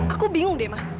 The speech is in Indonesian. aku bingung deh mas